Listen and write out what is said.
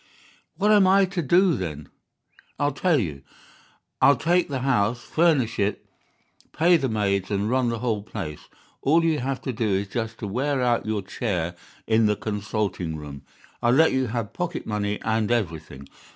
"'What am I to do, then?' "'I'll tell you. I'll take the house, furnish it, pay the maids, and run the whole place. All you have to do is just to wear out your chair in the consulting room. I'll let you have pocket money and everything.